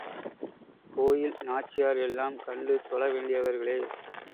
கோயில் நாச்சியார் எல்லாம் கண்டு தொழ வேண்டியவர்ளே.